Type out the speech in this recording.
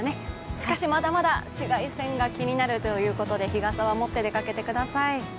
しかし、まだまだ紫外線が気になるということで日傘は持って出てください。